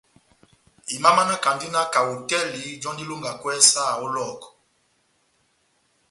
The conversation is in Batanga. Imamanakandi na kaho hotɛli jɔ́ndi ilongakwɛ saha ó Lɔhɔkɔ.